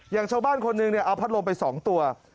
อย่างชาวบ้านคนหนึ่งเอาพัดลมไป๒ตัว